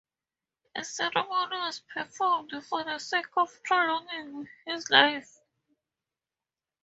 A ceremony was performed for the sake of prolonging his life.